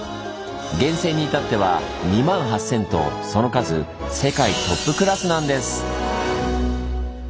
源泉に至っては２８，０００とその数世界トップクラスなんです！